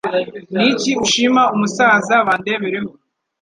Ni iki ushima umusaza Bandebereho ?